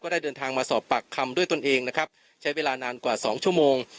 ได้เดินทางมาสอบปากคำด้วยตนเองนะครับใช้เวลานานกว่าสองชั่วโมง